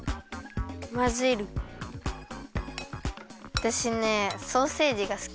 あたしねソーセージがすき。